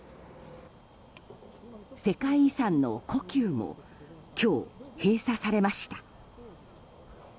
世界遺産の故宮も今日、閉鎖されました。